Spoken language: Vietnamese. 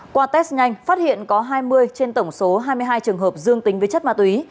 qua test nhanh phát hiện có hai mươi trên tổng số hai mươi hai trường hợp dương tính với chất ma túy